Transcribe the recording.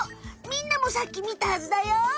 みんなもさっき見たはずだよ。